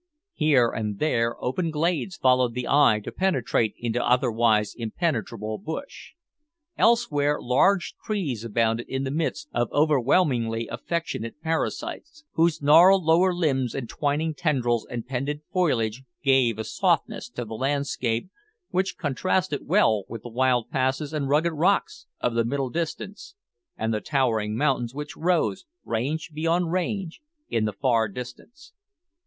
Here and there open glades allowed the eye to penetrate into otherwise impenetrable bush. Elsewhere, large trees abounded in the midst of overwhelmingly affectionate parasites, whose gnarled lower limbs and twining tendrils and pendant foliage gave a softness to the landscape, which contrasted well with the wild passes and rugged rocks of the middle distance, and the towering mountains which rose, range beyond range, in the far distance.